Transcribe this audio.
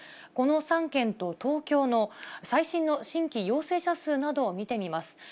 この３県と東京の最新の新規陽性者数などを見てみます。